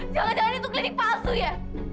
jangan jangan ini tuh klinik palsu ya